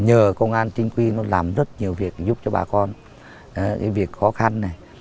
nhờ công an tinh quy nó làm rất nhiều việc giúp cho bà con